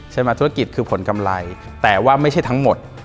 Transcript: ธุรกิจคือผลกำไรแต่ว่าไม่ใช่ทั้งหมด